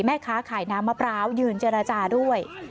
แม่ค้าขายน้ำมะพร้าวยืนเจรจาด้วย